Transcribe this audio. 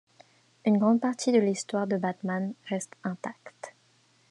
Une grande partie de l'histoire de Batman reste intacte.